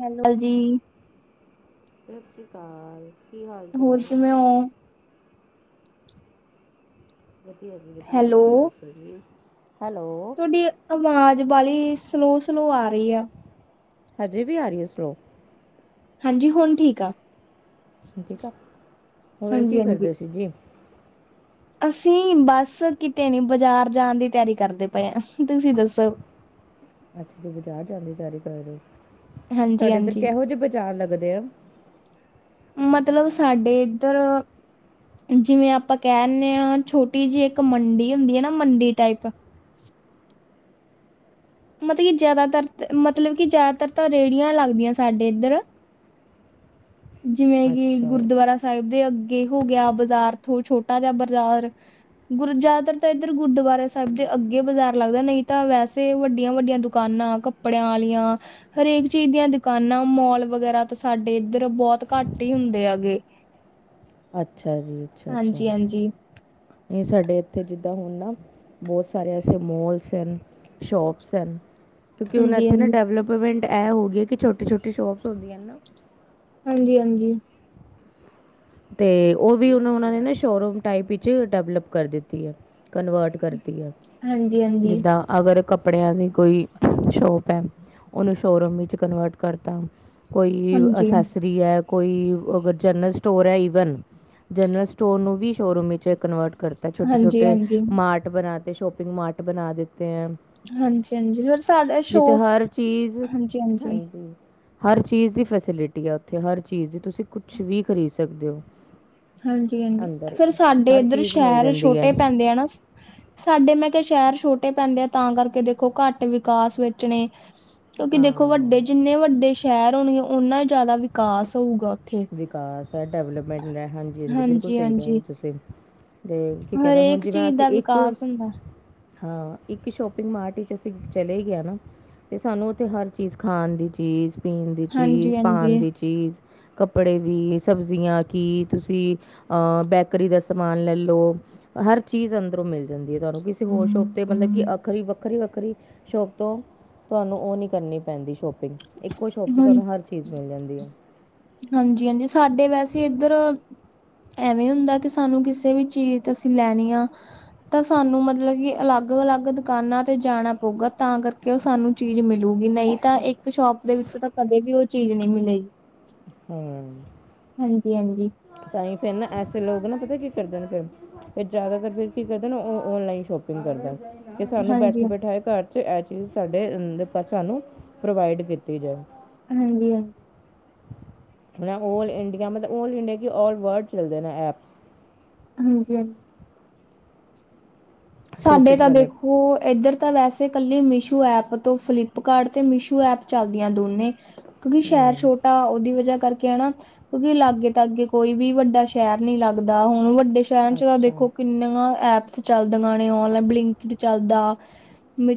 Hello ਜੀ। ਸਤਿ ਸ੍ਰੀ ਅਕਾਲ ਕੀ ਹਾਲ ਹੋਰ ਚਾਲ? ਕਿਵੇਂ ਹੋ? ਵਧੀਆ ਜੀ ਵਧੀਆ ਤੁਸੀਂ ਹੈਲੋ ਦੱਸੋ ਜੀ? ਹੈਲੋ। ਜੀ ਆਵਾਜ਼ ਬਾਲੀ ਸਲੋਅ ਸਲੋ ਆ ਰਹੀ ਆ। ਹਜੇ ਵੀ ਆ ਰੀ ਐ ਸਲੋ। ਹਾਂਜੀ ਹੁਣ ਠੀਕ ਆ। ਹੁਣ ਠੀਕ ਆ, ਹੋਰ ਹਾਂਜੀ ਕੀ ਹਾਂਜੀ। ਕਰਦੇ ਸੀ ਜੀ? ਅਸੀਂ ਬਸ ਕਿਤੇ ਨੀ ਬਾਜ਼ਾਰ ਜਾਣ ਦੀ ਤਿਆਰੀ ਕਰਦੇ ਪਏ ਆਂ, ਤੁਸੀਂ ਦੱਸੋ? ਅੱਛਾ ਜੀ ਬਾਜ਼ਾਰ ਜਾਣ ਦੀ ਤਿਆਰੀ ਕਰ ਰੇ ਓ ਹਾਂਜੀ ਤੁਆਡੇ ਇੱਧਰ ਹਾਂਜੀ ਕਿਹੋ ਜੇ ਬਾਜ਼ਾਰ ਲੱਗਦੇ ਆ? ਮਤਲਬ ਸਾਡੇ ਇੱਧਰ ਜਿਵੇਂ ਆਪਾਂ ਕਹਿਣੇ ਆਂ ਛੋਟੀ ਜੀਅ ਇੱਕ ਮੰਡੀ ਹੁੰਦੀ ਐ ਨਾ ਮੰਡੀ ਟਾਈਪ ਮਤਲਬ ਕਿ ਜਿਆਦਾਤਰ ਮਤਲਬ ਕਿ ਜ਼ਿਆਦਾਤਰ ਤਾਂ ਰੇਹੜੀਆਂ ਲੱਗਦੀਆਂ ਸਾਡੇ ਇੱਧਰ ਜਿਵੇਂ ਕਿ ਅੱਛਾ ਗੁਰਦੁਆਰਾ ਸਾਹਿਬ ਦੇ ਅੱਗੇ ਹੋ ਗਿਆ ਬਾਜ਼ਾਰ ਥੋ ਛੋਟਾ ਜਿਆ ਬਾਜ਼ਾਰ। ਗੁਰ ਜ਼ਿਆਦਾਤਰ ਤਾਂ ਇੱਧਰ ਗੁਰਦੁਆਰੇ ਸਾਹਿਬ ਦੇ ਅੱਗੇ ਬਾਜ਼ਾਰ ਲੱਗਦਾ ਨਈਂ ਤਾਂ ਵੈਸੇ ਵੱਡੀਆਂ ਵੱਡੀਆਂ ਦੁਕਾਨਾਂ ਕੱਪੜਿਆਂ ਆਲੀਆਂ ਹਰੇਕ ਚੀਜ਼ ਦੀਆਂ ਦੁਕਾਨਾਂ ਮੋਲ ਵਗੈਰਾ ਤਾਂ ਸਾਡੇ ਉੱਧਰ ਬੋਤ ਘੱਟ ਈ ਹੁੰਦੇ ਹੈਗੇ। ਅੱਛਾ ਜੀ, ਅੱਛਾ ਅੱਛਾ ਹਾਂਜੀ-ਹਾਂਜੀ, ਨਈਂ ਸਾਡੇ ਇੱਥੇ ਜਿੱਦਾਂ ਹੁਣ ਨਾ ਬੋਤ ਸਾਰੇ ਐਸੇ ਮੋਲਸ ਹਨ, ਸ਼ੋਪਸ ਹਨ। ਕਿਉਂਕਿ ਹੁਣ ਇੱਥੇ ਨਾ ਹਾਂਜੀ-ਹਾਂਜੀ, ਡਿਵਲਪਮੈਂਟ ਇਹ ਹੋ ਗਈ ਐ ਕਿ ਛੋਟੀ-ਛੋਟੀ ਸ਼ੋਪਸ ਹੁੰਦੀਆਂ ਨਾ ਹਾਂਜੀ ਹਾਂਜੀ। ਤੇ ਉਹ ਵੀ ਉਹ ਉਹਨਾਂ ਨੇ ਨਾ ਸ਼ੋਰੂਮ ਟਾਈਪ ਵਿੱਚ ਡਿਵਲਪ ਕਰ ਦਿੱਤੀ ਐ ਕਨਵਰਟ ਕਰ ਹਾਂਜੀ-ਹਾਂਜੀ। ਜਿੱਦਾਂ ਅਗਰ ਕੱਪੜਿਆਂ ਦੀ ਕੋਈ ਸ਼ੋਪ ਐ ਉਨੂੰ ਸ਼ੋਅਰੂਮ ਵਿੱਚ ਕਨਵਰਟ ਕਰਤਾ। ਕੋਈ ਹਾਂਜੀ, ਅਸੈਸਰੀ ਐ ਕੋਈ ਅਗਰ ਜਰਨਿਸਟ ਸਟੋਰ ਐ ਇਵਨ ਜਨਰਲ ਸਟੋਰ ਨੂੰ ਵੀ ਸ਼ੋਰੂਮ ਵਿਚ ਕਨਵਰਟ ਕਰਤਾ ਛੋਟੇ-ਛੋਟੇ ਹਾਂਜੀ-ਹਾਂਜੀ, ਮਾਰਟ ਬਣਾ ਤੇ ਸ਼ੋਪਿੰਗ ਮਾਰਟ ਬਣਾ ਦਿੱਤੇ ਐ। ਹਾਂਜੀ-ਹਾਂਜੀ ਫਿਰ ਸਾਡਾ ਜਿੱਥੇ ਸ਼ੋ ਹਰ ਚੀਜ਼ ਹਾਂਜੀ-ਹਾਂਜੀ, ਹਾਂਜੀ ਹਰ ਚੀਜ਼ ਦੀ ਫੈਸਿਲਿਟੀ ਆ ਉੱਥੇ ਹਰ ਚੀਜ਼ ਦੀ ਤੁਸੀਂ ਕੁਛ ਵੀ ਖਰੀਦ ਸਕਦੇ ਔ। ਹਾਂਜੀ ਹਾਂਜੀ, ਫੇਰ ਸਾਡੇ ਇੱਧਰ ਚੀਜ਼ ਮਿਲ ਸ਼ਹਿਰ ਜਾਂਦੀ ਹੈ ਛੋਟੇ ਪੈਂਦੇ ਆ ਨਾ [inaudible] ਸਾਡੇ ਮੈਂ ਕਿਆ ਸ਼ਹਿਰ ਛੋਟੇ ਪੈਂਦੇ ਆ ਤਾਂ ਕਰਕੇ ਦੇਖੋ ਘੱਟ ਵਿਕਾਸ ਵਿਚ ਨੇ ਕਿਉਂਕਿ ਦੇਖੋ ਵੱਡੇ ਹਾਂ ਜਿੰਨੇ ਵੱਡੇ ਸ਼ਹਿਰ ਹੋਣਗੇ ਓਨਾਂ ਜ਼ਿਆਦਾ ਵਿਕਾਸ ਹੋਊਗਾ ਉੱਥੇ। ਵਿਕਾਸ ਹੈ ਡਿਵਲਪਮੈਂਟ ਦਾ, ਹਾਂਜੀ ਹਾਂਜੀ ਬਿਲਕੁਲ ਸਈ ਕੈਅ ਰੇ ਔ ਤੁਸੀਂ। ਤੇ ਕੀ ਕੈਂਦੇ ਹੁਣ ਹਰੇਕ ਜਿਵੇਂ ਚੀਜ਼ ਅਸੀਂ ਦਾ ਇੱਕ ਵਿਕਾਸ ਹੁੰਦਾ ਹਾਂ ਇੱਕ ਸ਼ੋਪਿੰਗ ਮਾਰਟ ਵਿੱਚ ਅਸੀਂ ਚਲੇ ਗਏ ਨਾ ਤੇ ਸਾਨੂੰ ਉਥੇ ਹਰ ਚੀਜ਼ ਖਾਣ ਦੀ ਚੀਜ਼, ਪੀਣ ਦੀ ਹਾਂਜੀ ਚੀਜ਼, ਹਾਂਜੀ। ਪਾਣ ਦੀ ਚੀਜ਼। ਕੱਪੜੇ ਵੀ ਸਬਜ਼ੀਆਂ ਕੀ ਤੁਸੀਂ ਅਹ ਬੇਕਰੀ ਦਾ ਸਮਾਨ ਲਲੋ। ਹਰ ਚੀਜ਼ ਅੰਦਰੋਂ ਮਿਲ ਜਾਂਦੀ ਐ ਤੁਆਨੂੰ ਕਿਸੇ ਹੋਰ ਸ਼ੋਪ ਤੇ ਮਤਲਬ ਕਿ ਅਖਰੀ ਵੱਖਰੀ-ਵੱਖਰੀ ਸ਼ੋਪ ਤੋਂ ਤੁਆਨੂੰ ਉਹ ਨਈਂ ਕਰਨੀ ਪੈਂਦੀ ਸ਼ੋਪਿੰਗ। ਇੱਕੋ ਸ਼ੋਪ ਤੇ ਹਾਂ ਤਾਨੂੰ ਹਰ ਚੀਜ਼ ਮਿਲ ਜਾਂਦੀ ਐ। ਹਾਂਜੀ ਹਾਂਜੀ, ਸਾਡੇ ਵੈਸੇ ਇੱਧਰ ਐਵੇਂ ਹੁੰਦਾ ਤੇ ਸਾਨੂੰ ਕਿਸੇ ਵੀ ਚੀਜ਼ ਅਸੀਂ ਲੈਣੀ ਆ ਤਾਂ ਸਾਨੂੰ ਮਤਲਬ ਕਿ ਅਲੱਗ-ਅਲੱਗ ਦੁਕਾਨਾਂ ਤੇ ਜਾਣਾ ਪਊਗਾ ਤਾਂ ਕਰਕੇ ਸਾਨੂੰ ਚੀਜ਼ ਮਿਲੂਗੀ ਨਈਂ ਤਾਂ ਇੱਕ ਸ਼ੋਪ ਦੇ ਵਿੱਚ ਤਾਂ ਕਦੇ ਵੀ ਉਹ ਚੀਜ਼ ਨਈਂ ਮਿਲੇਗੀ। ਹਮ। ਹਾਂਜੀ, ਹਾਂਜੀ। ਤਾਂ ਹੀ ਫਿਰ ਨਾ, ਐਸੇ ਲੋਕ ਨਾ ਪਤਾ ਕੀ ਕਰਦੇ ਨੇ ਫਿਰ ਫਿਰ ਜ਼ਿਆਦਾਤਰ ਫਿਰ ਕੀ ਕਰਦਾ ਨਾ, ਉਹ ਔਨਲਾਈਨ ਸ਼ੋਪਿੰਗ ਕਰਦੇ। ਕਿ ਸਾਨੂੰ ਹਾਂਜੀ ਹਾਂਜੀ ਬੈਠੇ ਬੈਠਾਏ ਘਰ 'ਚ ਇਹ ਚੀਜ਼ ਸਾਡੇ ਸਾਨੂੰ, ਪ੍ਰੋਵਾਈਡ ਕੀਤੀ ਜਾਵੇ। ਹਾਂਜੀ, ਹਾਂਜੀ। ਮਤਲਬ ਓਲ ਇੰਡੀਆ, ਮਤਲਬ ਓਲ ਇੰਡੀਆ ਕਿ ਓਲ ਵਰਲਡ ਚੱਲਦੇ ਨੇ ਐਪ। ਹਾਂਜੀ, ਹਾਂ। ਸਾਡੇ ਸ਼ਾਪਿੰਗ ਤਾਂ ਵਾਲੇ ਦੇਖੋ, ਇੱਧਰ ਤਾਂ ਵੈਸੇ ਇਕੱਲੇ ਮਿਸ਼ੂ ਐਪ ਤੋਂ, ਫਲਿੱਪਕਾਰਟ ਤੇ ਮਿਸ਼ੂ ਐਪ ਚਲਦੀਆਂ ਦੋਨੇ ਕਿਉਂਕਿ ਸ਼ਹਿਰ ਹਮ, ਛੋਟ ਆ ਉਹਦੀ ਵਜ੍ਹਾ ਕਰਕੇ ਹਨਾ, ਕਿਉਂਕਿ ਲਾਗੇ ਤਾਗੇ ਕੋਈ ਵੀ ਵੱਡਾ ਸ਼ਹਿਰ ਨੀ ਲੱਗਦਾ ਹੁਣ ਵੱਡਾ ਸਾਡੇ ਸ਼ਹਿਰਾਂ 'ਚ ਤਾਂ ਅੱਛਾ ਦੇਖੋ ਕਿੰਨੀਆਂ ਐਪਸ ਚੱਲਦੀਆਂ ਨੇ ਓਨਲਾਈਨ, ਬਲਿੰਕਇਟ ਚੱਲਦਾ।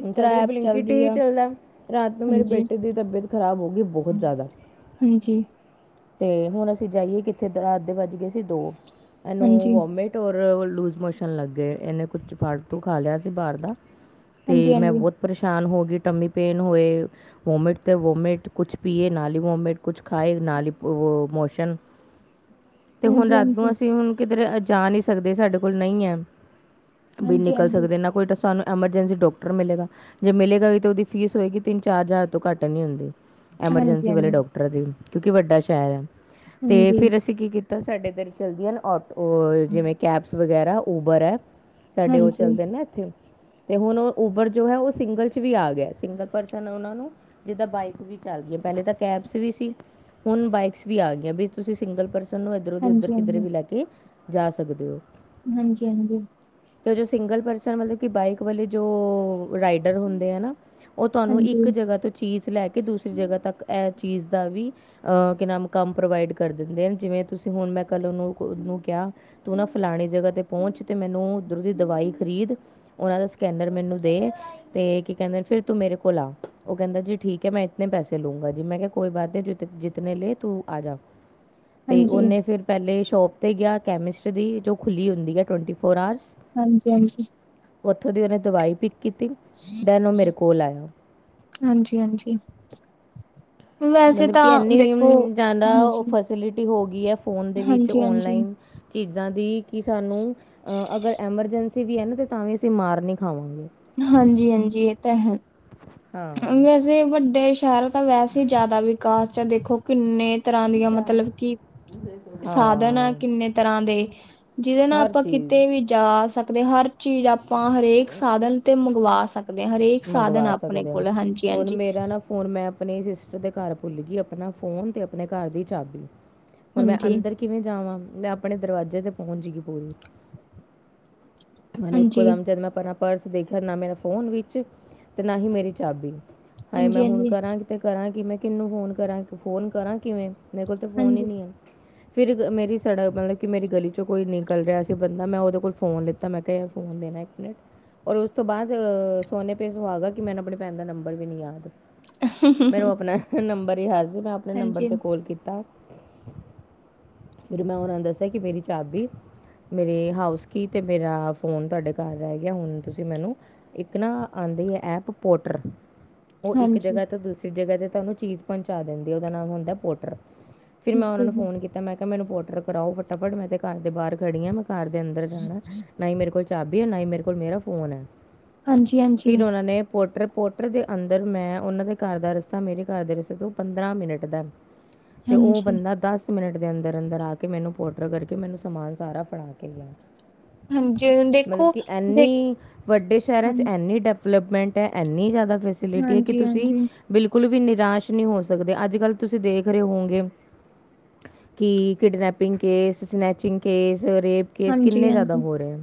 ਹੁਣ ਸਾਡੇ ਤੇ ਐਪ ਬਲਿੰਕਇੱਟ ਚੱਲਦੀ ਵੀ ਆ ਚੱਲਦਾ, ਰਾਤ ਨੂੰ ਮੇਰੇ ਹਾਂਜੀ ਬੇਟੇ ਦੀ ਤਬੀਅਤ ਖ਼ਰਾਬ ਹੋ ਗਈ ਬਹੁਤ ਜ਼ਿਆਦਾ ਹਾਂਜੀ। ਤੇ ਹੁਣ ਅਸੀਂ ਜਾਈਏ ਕਿੱਥੇ, ਰਾਤ ਦੇ ਵੱਜ ਗਏ ਸੀ ਦੋ, ਇਹਨੂੰ ਹਾਂਜੀ ਵੋਮਿਟ ਹੋਰ ਲੂਜ ਮੋਸ਼ਨ ਲੱਗੇ, ਇਹਨੇ ਕੁਛ ਫਾਲਤੂ ਖਾ ਲਿਆ ਸੀ ਬਾਹਰ ਦਾ ਤੇ ਮੈਂ ਹਾਂਜੀ ਬਹੁਤ ਪਰੇਸ਼ਾਨ ਹੋ ਗਈ, ਟਮੀ ਪੇਨ ਹੋਏ ਵੋਮਿਟ ਤੇ ਵੋਮਿਟ, ਕੁਛ ਪੀਏ ਨਾਲ ਹੀ ਵੋਮਿਟ, ਕੁਛ ਖਾਏ ਨਾਲ ਹੀ ਉਹ ਮੋਸ਼ਨ, ਤੇ ਹੁਣ ਹਾਂਜੀ ਰਾਤ ਹਾਂਜੀ ਨੂੰ ਅਸੀਂ ਹੁਣ ਕਿਧਰ ਆ ਜਾ ਨਹੀ ਸਕਦੇ ਸਾਡੇ ਕੋਲ ਨਹੀਂ ਹੈ, ਵੀ ਨਿਕਲ ਹਾਂਜੀ ਸਕਦੇ ਨਾ ਕੋਈ ਤਾਂ ਸਾਨੂੰ ਐਮਰਜੈਂਸੀ ਡਾਕਟਰ ਮਿਲੇਗਾ, ਜੇ ਮਿਲੇਗਾ ਵੀ ਤੇ ਉਹਦੀ ਫੀਸ ਹੋਏਗੀ ਤਿੰਨ ਚਾਰ ਹਜ਼ਾਰ ਤੋਂ ਘੱਟ ਨੀ ਹੁੰਦੀ। ਹਾਂਜੀ ਐਮਰਜੈਂਸੀ ਵਾਲੇ ਹਾਂਜੀ ਡਾਕਟਰ ਦੀ, ਕਿਉਂਕਿ ਵੱਡਾ ਸ਼ਹਿਰ ਹੈ ਤੇ ਹਾਂਜੀ ਹਾਂਜੀ ਫਿਰ ਅਸੀਂ ਅਸੀਂ ਕੀ ਕੀਤਾ ਸਾਡੇ ਇਧਰ ਚਲਦੀਆਂ ਨੇ ਆਟੋ, ਜਿਵੇਂ ਕੈਬਸ ਵਗੈਰਾ ਉਬਰ ਹੈ ਸਾਡੇ ਉਹ ਹਾਂਜੀ ਚੱਲਦੇ ਨੇ ਨਾ, ਇੱਥੇ ਤੇ ਹੁਣ ਉਬਰ ਜੋ ਹੈ ਉਹ ਸਿੰਗਲ 'ਚ ਵੀ ਆ ਗਿਆ, ਸਿੰਗਲ ਪਰਸਨ ਉਹ ਨੂੰ ਜਿੱਦਾਂ ਬਾਈਕਸ ਵੀ ਚੱਲ ਗਈਆਂ, ਪਹਿਲੇ ਤਾਂ ਕੈਬਸ ਵੀ ਸੀ। ਹੁਣ ਬਾਈਕਸ ਵੀ ਆ ਗਈਆਂ, ਬਾਈ ਤੁਸੀਂ ਸਿੰਗਲ ਪਰਸ ਨੂੰ ਇਧਰੋ ਦੀ ਹਾਂਜੀ ਉਧਰ, ਕਿਧਰ ਹਾਂਜੀ ਵੀ ਲੈ ਕੇ ਜਾ ਸਕਦੇ ਹੋ। ਹਾਂਜੀ, ਹਾਂਜੀ। ਅਤੇ ਉਹ ਜੋ ਸਿੰਗਲ ਪਰਸਨ, ਮਤਲਬ ਕਿ ਬਾਈਕ ਵਾਲੇ ਜੋ ਰਾਈਡਰ ਹੁੰਦੇ ਹੈ ਨਾ ਉਹ ਤੁਹਾਨੂੰ ਇੱਕ ਹਾਂਜੀ ਜਗ੍ਹਾ ਤੋਂ ਚੀਜ਼ ਲੈ ਕੇ, ਦੂਸਰੀ ਜਗ੍ਹਾ ਤੱਕ ਇਹ ਚੀਜ਼ ਦਾ ਵੀ ਅਹ ਕਿ ਨਾਮ ਕੰਮ ਪ੍ਰੋਵਾਈਡ ਕਰ ਦਿੰਦੇ ਨੇ, ਜਿਵੇਂ ਤੁਸੀਂ ਹੁਣ ਮੈਂ ਕੱਲ ਉਹਨੂੰ ਕਿਹਾ ਤੂੰ ਨਾ ਫਲਾਣੀ ਜਗ੍ਹਾ ਤੇ ਪਹੁੰਚ, ਤੇ ਮੈਨੂੰ ਉੱਧਰੋਂ ਦੀ ਦਵਾਈ ਖਰੀਦ ਉਹਨਾਂ ਦਾ ਸਕੈਨਰ ਮੈਨੂੰ ਦੇ ਤੇ ਕੀ ਕਹਿੰਦੇ ਫ਼ਿਰ ਤੂੰ ਮੇਰੇ ਕੋਲ ਆ, ਉਹ ਕਹਿੰਦਾ ਜੀ ਠੀਕ ਹੈ ਮੈਂ ਇਤਨੇ ਪੈਸੇ ਲੂੰਗਾ ਜੀ, ਮੈਂ ਕਿਹਾ ਕੋਈ ਬਾਤ ਨਹੀਂ ਜਿੱਤਨੇ ਲੈ ਤੂੰ ਆ ਜਾ, ਤੇ ਹਾਂਜੀ ਉਹਨੇ ਫਿਰ ਪਹਿਲੇ ਸ਼ੋਪ ਤੇ ਗਿਆ ਕੈਮਿਸਟ ਦੀ, ਜੋ ਖੁੱਲ੍ਹੀ ਹੁੰਦੀ ਹੈਟਵੈਂਟੀ ਫੋਰ ਆਰਸ ਹਾਂਜੀ, ਹਾਂਜੀ। ਉੱਥੋਂ ਦੀ, ਉਹਨੇ ਦਵਾਈ ਪਿੱਕ ਕੀਤੀ। ਡੈਨ ਉਹ ਮੇਰੇ ਕੋਲ ਆਇਆ, ਹਾਂਜੀ-ਹਾਂਜੀ, ਵੈਸੇ ਮਤਲਬ ਕਿ ਤਾਂ ਐਨੀ ਦੇਖੋ ਜ਼ਿਆਦਾ ਹਾਂਜੀ, ਫੈਸਿਲਿਟੀ ਹੋ ਗਈ ਹੈ, ਫੋਨ ਦੇ ਵਿੱਚ ਹਾਂਜੀ-ਹਾਂਜੀ। ਓਨਲਾਈਨ ਚੀਜ਼ਾਂ ਦੀ, ਕਿ ਸਾਨੂੰ ਅਗਰ ਐਮਰਜੈਂਸੀ ਵੀ ਹੈ ਨਾ ਤੇ ਤਾਂ ਵੀ ਅਸੀਂ ਮਾਰ ਨਹੀਂ ਖਾਵਾਂਗੇ। ਹਾਂਜੀ ਹਾਂਜੀ, ਇਹ ਤਾਂ ਹੈ। ਹਾਂ ਵੈਸੇ ਵੱਡੇ ਸ਼ਹਿਰ ਤਾਂ ਵੈਸੇ ਹੀ, ਜ਼ਿਆਦਾ ਵਿਕਾਸ 'ਚ ਦੇਖੋ ਕਿੰਨੇ ਤਰ੍ਹਾਂ ਦੀਆਂ, ਮਤਲਬ ਕਿ ਸਾਧਨ ਆ ਹਾਂ ਕਿੰਨੇ ਤਰਾਂ ਦੇ ਜਿਹਦੇ ਨਾਲ ਹਰ ਆਪਾਂ ਚੀਜ਼ ਕਿਤੇ ਵੀ ਜਾ ਆ ਸਕਦੇ, ਹਰ ਚੀਜ਼ ਆਪਾਂ ਹਰੇਕ ਸਾਧਨ ਤੇ ਮੰਗਵਾ ਸਕਦੇ। ਸਕਦੇ ਹ ਹਰੇਕ ਸਾਧਨ ਮੰਗਵਾ ਆਪਣੇ ਸਕਦੇ ਹਾਂ ਕੋਲ ਹਾਂਜੀ- ਹਾਂਜੀ। ਮੇਰਾ ਨਾ ਹੁਣ ਮੈਂ ਆਪਣੇ ਸਿਸਟਰ ਦੇ ਘਰ ਭੁੱਲ ਗਈ ਆਪਣਾ ਫੋਨ ਤੇ ਆਪਣੇ ਘਰ ਦੀ ਚਾਬੀ। ਹੁਣ ਮੈਂ ਹਾਂਜੀ। ਅੰਦਰ ਕਿਵੇਂ ਜਾਵਾਂ ਮੈਂ ਆਪਣੇ ਦਰਵਾਜ਼ੇ ਤੇ ਪਹੁੰਚ ਗੀ ਪੂਰੀ। ਮੈਨੂੰ ਇੱਕੋ ਹਾਂਜੀ, ਦਮ ਜਦ ਮੈਂ ਆਪਣਾ ਪਰਸ ਦੇਖਿਆ ਨਾ ਮੇਰਾ ਫੋਨ ਵਿੱਚ, ਤੇ ਨਾ ਹੀ ਮੇਰੀ ਚਾਬੀ ਹਾਏ ਮੈਂ ਹੁਣ ਹਾਂਜੀ-ਹਾਂਜੀ, ਕਰਾਂ- ਤੇ ਕਰਾਂ ਕਿ ਮੈਂ ਕਿਨੂੰ ਫੋਨ ਕਰਾਂ, ਫੋਨ ਕਰਾਂ ਕਿਵੇਂ ਮੇਰੇ ਕੋਲ ਤੇ ਫੋਨ ਹੀ ਹਾਂਜੀ, ਨੀ ਐ। ਫੇਰ ਇਕ ਮੇਰੀ ਸੜਕ ਮਤਲਬ ਕਿ ਮੇਰੀ ਗਲੀ ਚੋਂ ਕੋਈ ਨਿਕਲ ਰਿਹਾ ਸੀ ਬੰਦਾ ਮੈਂ ਉਹਦੇ ਕੋਲ ਫੋਨ ਲਿੱ- ਤਾਂ ਮੈਂ ਕਿਹਾ ਫੋਨ ਦੇਣਾ ਇੱਕ ਮਿੰਟ ਔਰ ਉਸ ਤੋਂ ਬਾਅਦ, ਸੋਨੇ ਪੇ ਸੁਹਾਗਾ ਕਿ ਮੈਨੂੰ ਆਪਣੇ ਪੈਣ ਦਾ ਨੰਬਰ ਵੀ ਨੀ ਯਾਦ, ਮੈਨੂੰ ਆਪਣਾ। ਫੇਰ ਨੰਬਰ ਹੀ ਯਾਦ ਸੀ ਮੈਂ ਆਪਣੇ ਨੰਬਰ ਹਾਂਜੀ, ਤੇ ਕੋਲ ਕੀਤਾ। ਫੇਰ ਮੈਂ ਉਹਨਾਂ ਨੇ ਦੱਸਿਆ ਕਿ ਮੇਰੀ ਚਾਬੀ ਮੇਰੇ ਹਾਊਸ ਕੀ, ਤੇ ਮੇਰਾ ਫੋਨ ਤੁਹਾਡੇ ਘਰ ਰਹਿ ਗਿਆ ਹੁਣ ਤੁਸੀਂ ਮੈਨੂੰ, ਇੱਕ ਨਾ ਆਉਂਦੀ ਹੈ, ਐਪ ਪੋਟਰ ਉਹ ਇੱਕ ਹਾਂਜੀ। ਜਗਾ ਤੋਂ ਦੂਸ- ਦੀ ਜਗਾ ਤੇ ਉਹਨੂੰ ਚੀਜ਼ ਪਹੁੰਚਾ ਦਿੰਦੀ ਹੈ। ਉਹਦਾ ਨਾਮ ਹੁੰਦਾ ਪੋਟਰ ਫੇਰ ਮੈਂ ਠੀਕ ਉਹ ਹੈ ਨੂੰ ਜੀ, ਫੋਨ ਕੀਤ- ਤਾਂ ਮੈਂ ਕਿਹਾ ਮੈਨੂੰ ਪੋਟਰ ਕਰਾਓ ਫਟਾਫਟ ਮੈਂ ਤੇ ਘਰ ਦੇ ਬਾਹਰ ਖੜੀ ਆ ਮੈਂ ਘਰ ਦੇ ਅੰਦਰ ਜਾਣਾ ਨਾ ਹੀ ਮੇਰੇ ਕੋਲ ਚਾਬੀ ਹੈ, ਨਾ ਹੀ ਮੇਰੇ ਕੋਲ ਮੇਰਾ ਫੋਨ ਹੈ। ਹਾਂਜੀ- ਹਾਂਜੀ। ਫਿਰ ਉਹਨਾਂ ਨੇ- ਪੋਟਰ, ਪੋਟਰ ਦੇ ਅੰਦਰ ਮੈਂ ਉਹਨਾਂ ਦੇ ਘਰ ਦਾ ਰਸਤਾ ਮੇਰੇ ਘਰ ਦੇ ਰਸਤੇ ਤੋਂ ਪੰਦਰਾਂ ਮਿੰਟ ਦਾ। ਤੇ ਉਹ ਹਾਂਜੀ। ਬੰਦਾ ਦੱਸ- ਮਿੰਟ ਦੇ ਅੰਦਰ- ਅੰਦਰ ਆ ਕੇ ਮੈਨੂੰ ਪੋਟਰ ਕਰਕੇ ਮੈਨੂੰ ਸਮਾਨ ਸਾਰਾ ਫੜਾ ਕੇ ਗਿਆ। ਹਾਂਜੀ ਮਤਲਬ ਦੇਖੋ ਕਿ ਦੇ ਐਨੀ ਵੱਡੇ ਸ਼ਹਿਰਾਂ ਚ- ਹਾਂਜੀ ਇਨੀ ਡਿਵਲਪਮੈਂਟ ਹੈ। ਇੰਨੀ ਜ਼ਿਆਦਾ ਫੈਸਿਲਿਟੀ ਹੈ। ਕਿ ਹਾਂਜੀ ਤੁਸੀਂ ਹਾਂਜੀ ਬਿਲਕੁਲ ਵੀ ਨਿਰਾਸ਼ ਨਹੀਂ ਹੋ ਸਕਦੇ ਅੱਜ ਕੱਲ ਤੁਸੀਂ ਦੇਖ ਰਹੇ ਹੋਂਗੇ। ਕਿ kidnapping case, snatching case, rape case ਹਾਂਜੀ ਕਿੰਨੇ ਜ਼ਿਆਦਾ ਹਾਂਜੀ ਹੋ ਰਹੇ ਹੈ।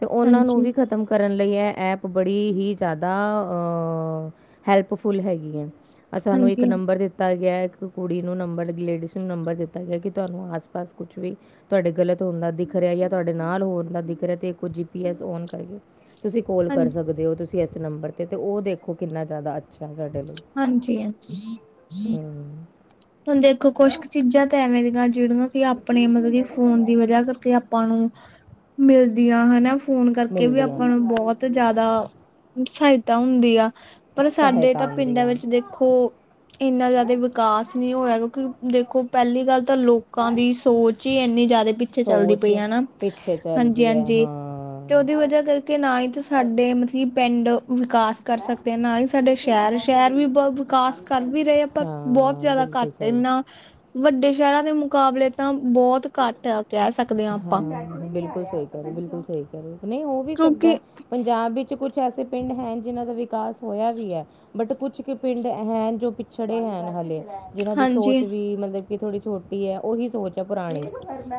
ਤੇ ਉਹਨਾਂ ਨੂੰ ਹਾਂਜੀ ਵੀ ਖ਼ਤਮ ਕਰਨ ਲਈ ਇਹ ਐਪ, ਬੜੀ ਹੀ ਜ਼ਿਆਦਾ ਅ ਹੈਲਪਫੁਲ ਹੈਗੀ ਹੈ। ਆ ਸਾਨੂੰ ਇੱਕ ਹਾਂਜੀ ਨੰਬਰ ਦਿ- ਤਾ ਗਿਆ, ਇੱਕ ਕੁੜੀ ਨੂੰ ਨੰਬਰ, ਲੇਡੀਜ਼ ਨੂੰ ਨੰਬਰ ਦਿੱਤਾ ਗਿਆ ਕਿ ਤੁਹਾਨੂੰ ਆਸ- ਪਾਸ ਕੁਛ ਵੀ- ਤੁਹਾਡੇ ਗਲਤ ਹੋਣ ਦਾ ਦਿਖ ਰਿਹਾ ਯਾਂ ਤੁਹਾਡੇ ਨਾਲ ਹੋਣ ਦਾ ਦਿਖ ਰਿਹਾ ਤੇ ਓਹ ਇਕ ਜੀ ਪੀ ਐਸ ਓਣ ਕਰਕੇ ਤੁਸੀਂ ਕੋਲ ਕਰ ਹਾਂਜੀ ਸਕਦੇ ਹੋ। ਤੁਸੀਂ ਇਸ ਨੰਬਰ ਤੇ, ਤੇ ਉਹ ਦੇਖੋ ਕਿੰਨਾ ਜ਼ਿਆਦਾ ਅੱਛਾ ਐ ਸਾਡੇ ਲਈ। ਹਾਂਜੀ- ਹਾਂਜੀ। ਹਮ, ਹੁਣ ਦੇਖੋ ਕੁਛ ਕੁ ਚੀਜ਼ਾਂ ਤਾਂ ਐਵੇਂ ਦੀਆਂ ਜਿਹੜੀਆਂ ਕਿ ਆਪਣੇ ਮਤਲਬ ਕਿ ਫੋਨ ਦੀ ਵਜਾ ਕਰਕੇ ਆ- ਆਪਾਂ ਨੂੰ ਮਿਲਦੀਆਂ ਹਨਾ ਫੋਨ ਕਰਕੇ ਵੀ ਮਿਲਦੀਆਂ ਨੇ ਆਪਾਂ ਨੂੰ ਬਹੁਤ ਜ਼ਿਆਦਾ। ਸਹਾਇਤਾ ਹੁੰਦੀ ਆ। ਪਰ ਸਾਡੇ ਸਹਾਇਤਾ ਤਾਂ ਹੁੰਦੀ ਪਿੰਡਾਂ ਹੈ ਵਿੱਚ ਦੇਖੋ ਇੰਨਾ ਜ਼ਿਆਦਾ ਵਿਕਾਸ ਨਹੀਂ ਹੋਇਆ ਕਿਉਂਕਿ ਦੇਖੋ ਪਹਿਲੀ ਗੱਲ ਤਾਂ ਲੋਕਾਂ ਦੀ ਸੋਚ ਹੀ ਇੰਨੀ ਜ਼ਿਆਦਾ ਪਿੱਛੇ ਚੱਲਦੀ ਸੋਚ ਪਈ ਹੈ। ਨਾ। ਪਿੱਛੇ ਚੱਲ ਹਾਂਜੀ ਰੀ ਹੈ ਹਾਂਜੀ ਹਾਂ। ਤੇ ਉਹਦੀ ਵਜਾ ਕਰਕੇ ਨਾ ਹੀ ਤਾਂ ਸਾਡੇ ਮਤਲਬ ਕਿ ਪਿੰਡ ਵਿਕਾਸ। ਕਰ ਸਕਦੇ ਹਾਂ, ਨਾ ਹੀ ਸਾਡੇ ਸ਼ਹਿਰ, ਸ਼ਹਿਰ ਵੀ ਬ ਵਿਕਾਸ ਕਰ ਵੀ ਰਹੇ ਆ ਤਾ ਬਹੁਤ ਹਾਂ ਜ਼ਿਆਦਾ। ਬਿਲਕੁਲ ਘੱਟ ਸਹੀ ਇੰਨਾ ਵੱਡੇ ਸ਼ਹਿਰਾਂ ਦੇ ਮੁਕਾਬਲੇ ਤਾਂ ਬਹੁਤ ਘੱਟ ਆ, ਕਹਿ ਸਕਦੇ ਹਾਂ ਆਪਾਂ। ਬਿਲਕੁਲ ਸਹੀ ਕਰ ਰਹੇ-ਬਿਲਕੁਲ ਸਹੀ ਕਰ ਰਹੇ ਨਹੀਂ ਹੋ ਵੀ ਸਕਦਾ ਕਿਉਂਕਿ ਹੈ। ਪੰਜਾਬ ਵਿੱਚ ਕੁਛ ਐਸੇ ਪਿੰਡ ਹੈ ਨ ਜਿਨਾਂ ਦਾ ਵਿਕਾਸ ਹੋਇਆ ਵੀ ਹੈ। ਬਟ ਕੁਛ ਕੁ ਪਿੰਡ ਹੈ ਜੋ ਪਿਛੜੇ ਹੈ ਹਲੇੇ। ਜਿਹਨਾਂ ਦੀ ਹਾਂਜੀ ਸੋਚ ਵੀ ਮਤਲਬ ਕਿ ਥੋੜੀ ਛੋਟੀ ਹੈ ਉਹੀ ਸੋਚ ਹੈ ਪੁਰਾਣੀ।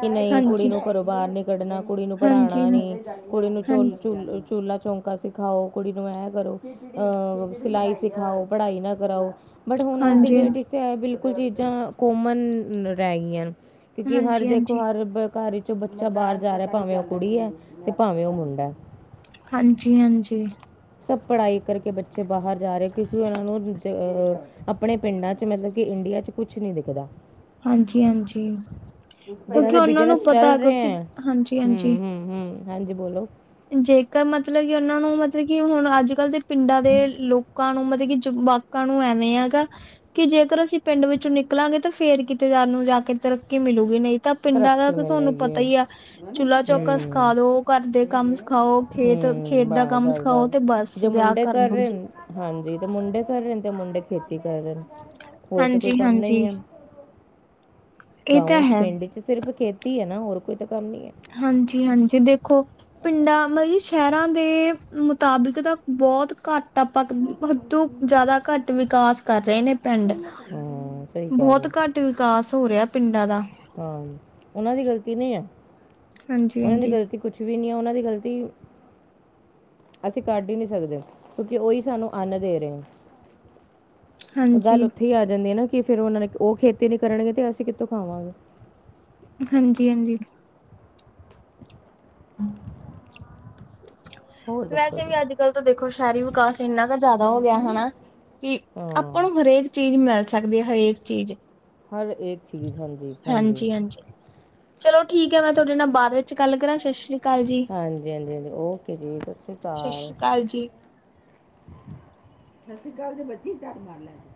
ਕਿ ਨਹੀਂ ਕੁੜੀ ਹਾਂਜੀ ਨੂੰ ਘਰੋਂ ਬਾਹਰ ਨੀ ਕੱਢਣਾ ਕੁੜੀ ਨੂੰ ਹਾਂਜੀ ਪੜ੍ਹਾਉਣਾ ਹਾਂ ਨੀ ਕੁੜੀ ਨੂੰ। ਹਾਂਜੀ [unintelligible] ਚੁੱਲਾ ਚੌਂਕਾ ਸਿਖਾਓ ਕੁੜੀ ਨੂੰ ਐਂ ਕਰੋ ਅਹ ਸਿਲਾਈ ਸਿਖਾਓ ਪੜ੍ਹਾਈ ਨਾ ਕਰਾਓ। ਬਟ ਹੁਣ ਅੱਜ ਦੀ ਹਾਂਜੀ ਡੇਟ ਇਹ ਬਿਲਕੁਲ ਚੀਜ਼ਾਂ ਕੋਮਨ ਰਹਿ ਗਈਆਂ। ਕਿਉਂਕਿ ਹਰ ਹਾਂਜੀ ਦੇਖੋ ਹਾਂਜੀ ਹਰ ਘਰ ਵਿੱਚ ਬੱਚਾ ਬਾਹਰ ਜਾ ਰਿਹਾ ਭਾਵੇਂ ਉਹ ਕੁੜੀ ਹੈ ਤੇ ਭਾਵੇਂ ਉਹ ਮੁੰਡਾ ਹੈ। ਹਾਂਜੀ ਹਾਂਜੀ। ਸੱਭ ਪੜ੍ਹਾਈ ਕਰਕੇ ਬੱਚੇ ਬਾਹਰ ਜਾ ਰਹੇ, ਕਿਉਂਕਿ ਉਹਨਾਂ ਨੂੰ ਦੂਜੇ ਅ ਅ ਆਪਣੇ ਪਿੰਡਾਂ 'ਚ, ਮਤਲਬ ਕਿ ਇੰਡੀਆ 'ਚ, ਕੁਝ ਨਹੀਂ ਦਿਖਦਾ। ਹਾਂਜੀ ਹਾਂਜੀ ਕਿਉਂਕਿ [unintelligible] ਉਹਨਾਂ ਨੂੰ ਬਿਜਨਸ ਚੱਲ ਪਤਾ ਰਹੇ ਕਿਉਂਕਿ ਹੈ। ਹਾਂਜੀ ਹਾਂਜੀ ਹੂੰ-ਹੂੰ ਹੂੰ, ਹਾਂਜੀ ਬੋਲੋ। ਜੇਕਰ, ਮਤਲਬ ਕਿ ਉਹਨਾਂ ਨੂੰ, ਮਤਲਬ ਕਿ ਹੁਣ ਅੱਜ ਕੱਲ ਦੇ। ਪਿੰਡਾਂ ਦੇ ਲੋਕਾਂ ਨੂੰ, ਮਤਲਬ ਕਿ ਜੰਬਾਕਾਂ ਨੂੰ, ਐਵੇਂ ਹੈਗਾ। ਕਿ ਜੇਕਰ ਅਸੀਂ ਪਿੰਡ ਵਿੱਚ ਨਿਕਲਾਂਗੇ ਤਾਂ ਫਿਰ ਕਿਤੇ ਸਾਨੂੰ ਜਾ ਕੇ ਤਰੱਕੀ ਮਿਲੂਗੀ, ਨਹੀਂ? ਤਾਂ ਪਿੰਡਾਂ ਦਾ ਤਰੱਕੀ ਤਾਂ ਤੁਹਾਨੂੰ ਮਿਲੇਗੀ ਪਤਾ ਹੂੰ ਹੀ ਆ, ਚੁੱਲਾ ਚੌਕਾ ਸਿਖਾ ਦੋ, ਓ ਕਰਦੇ। ਹੂੰ, ਬਸ ਬਸ ਸਿਖਾਓ ਬਸ, ਤੇ ਜੋ ਵਿਆਹ ਮੁੰਡੇ ਕਰ ਲੋ ਜੀ ਰਹੇ। ਹਾਂਜੀ, ਤੇ ਮੁੰਡੇ ਕਰ ਰੇ ਨ ਤੇ ਮੁੰਡੇ ਖੇਤੀ ਕਰ ਰੇ ਨ, ਹੋਰ ਤੇ ਹਾਂਜੀ ਕੋਈ ਕੰਮ ਨਹੀਂ ਹਾਂਜੀ ਹੈ। ਇਹ ਤਾਂ ਗਾਵਾਂ 'ਚ, ਹੈ ਪਿੰਡ 'ਚ ਸਿਰਫ਼ ਖੇਤੀ ਹੈ ਨਾ, ਹੋਰ ਕੋਈ ਤੇ ਕੰਮ ਹਾਂਜੀ, ਹਾਂਜੀ, ਦੇਖੋ। ਪਿੰਡਾਂ ਮਤਲਬ ਸ਼ਹਿਰਾਂ ਦੇ ਮੁਤਾਬਿਕ ਤਾਂ ਬੌਤ ਘੱਟ। ਤਾਪਾਂ ਤੂੰ ਜ਼ਿਆਦਾ ਘੱਟ ਵਿਕਾਸ ਕਰ ਰੇ ਨੇ ਪਿੰਡ। ਹੂੰ ਸਹੀ ਕਿਹਾ। ਬਹੁਤ ਘੱਟ ਵਿਕਾਸ ਹੋ ਰਿਹਾ ਪਿੰਡਾਂ ਦਾ। ਹਾਂ, ਉਹਨਾਂ ਦੀ ਗ਼ਲਤੀ ਨਹੀਂ ਹੈ। ਉਹਨਾਂ ਦੀ ਹਾਂਜੀ-ਹਾਂਜੀ। ਗ਼ਲਤੀ ਕੁਛ ਵੀ ਨਹੀਂ ਹੈ, ਉਹਨਾਂ ਦੀ ਗ਼ਲਤੀ। ਅਸੀਂ ਕੱਢ ਹੀ ਨਹੀਂ ਸਕਦੇ, ਕਿਉਂਕਿ ਉਹੀ ਸਾਨੂੰ ਅੰਨ ਦੇ ਰਹੇ ਨੇ। ਹਾਂਜੀ, ਗੱਲ ਉੱਥੇ ਹੀ ਆ ਜਾਂਦੀ ਹੈ ਨਾ ਕਿ ਫਿਰ ਉਹ ਖੇਤੀ ਨਹੀਂ ਕਰਨਗੇ, ਤੇ ਅਸੀਂ ਕਿੱਥੋਂ ਖਾਵਾਂਗੇ? ਹਾਂਜੀ ਹਾਂਜੀ। [inaudible] [inaudible] ਵੈਸੇ ਜੀ ਵੀ ਅੱਜ ਕੱਲ ਤਾਂ ਦੇਖੋ, ਸ਼ਹਿਰੀ ਵਿਕਾਸ ਇਨਾ ਕ ਜ਼ਿਆਦਾ ਹੋ ਗਿਆ, ਹੈਨਾ? ਕਿ ਆਪਾਂ ਹਾਂ ਨੂੰ ਹਰੇਕ ਚੀਜ਼ ਮਿਲ ਸਕਦੀ ਹੈ, ਹਰੇਕ ਚੀਜ਼। ਹਰ ਏਕ ਚੀਜ਼, ਹਾਂਜੀ ਹਾਂਜੀ। ਹਾਂਜੀ-ਹਾਂਜੀ। ਚਲੋ ਠੀਕ ਹੈ, ਮੈਂ ਤੁਹਾਡੇ ਨਾਲ ਬਾਦ ਵਿੱਚ ਗੱਲ ਕਰਾਂ। ਸ਼੍ਰੀ ਸਤਿ ਅਕਾਲ ਜੀ। ਹਾਂਜੀ, ਹਾਂਜੀ, ਹਾਂਜੀ। ਓਕੇ ਜੀ, ਸਤਿ ਸ਼੍ਰੀ ਸਤਿ ਅਕਾਲ। ਸ੍ਰੀ ਜੀ। ਸਤਿ ਸ੍ਰੀ ਅਕਾਲ ਤੇ ਬਚੀ ਝਾਤ ਮਾਰ ਲੈਨ।